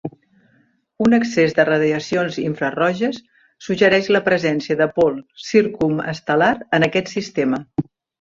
Un excés de radiacions infraroges suggereix la presència de pols circumestellar en aquest sistema.